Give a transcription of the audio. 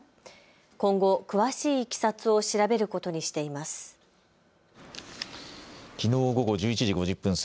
今後、詳しいいきさつを調べることにしています。